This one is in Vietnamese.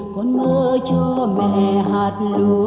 con mơ cho mẹ hạt lúa lên bông